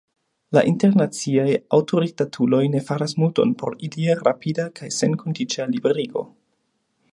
La internaciaj aŭtoritatuloj ne faras multon por ilia rapida kaj senkondiĉa liberigo.